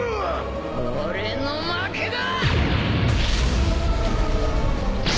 俺の負けだ！